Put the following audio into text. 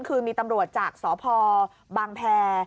คือมีตำรวจจากสพบางแพร